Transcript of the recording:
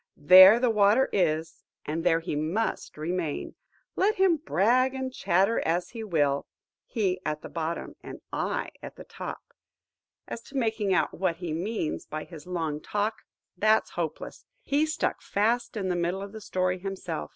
There the water is, and there he must remain, let him brag and chatter as he will; he at the bottom, and I at the top. As to making out what he means by his long talk, that's hopeless. He stuck fast in the middle of the story himself.